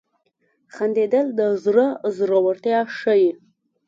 • خندېدل د زړه زړورتیا ښيي.